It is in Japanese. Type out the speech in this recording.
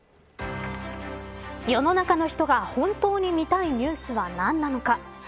世の中の人が本当に見たいニュースは何なのか。